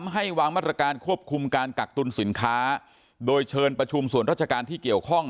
ให้วางมาตรการควบคุมการกักตุลสินค้าโดยเชิญประชุมส่วนราชการที่เกี่ยวข้อง